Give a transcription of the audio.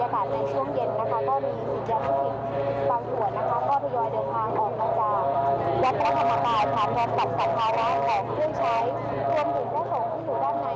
ด้วยใช้ความผิดนักศูนย์ที่อยู่ด้านในวัดพระธรรมกายเดินเขาออกมาค่ะ